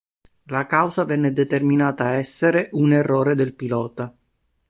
La causa venne determinata essere un errore del pilota.